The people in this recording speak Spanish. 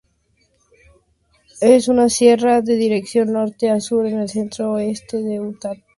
Es una sierra de dirección norte a sur en el centro-oeste de Utah.